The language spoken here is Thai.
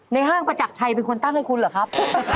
ห้างประจักรชัยเป็นคนตั้งให้คุณเหรอครับ